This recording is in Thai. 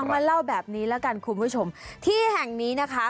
มาเล่าแบบนี้แล้วกันคุณผู้ชมที่แห่งนี้นะคะ